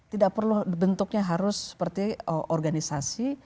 tidak perlu bentuknya harus seperti organisasi